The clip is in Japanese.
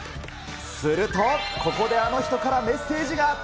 すると、ここであの人からメッセージが。